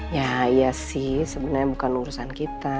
ya iya sih sebenarnya bukan urusan kita